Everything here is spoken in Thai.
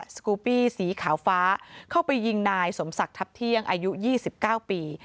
สกูปี้สีขาวฟ้าเข้าไปยิงนายสมศักดิ์ทัพเที่ยงอายุ๒๙ปี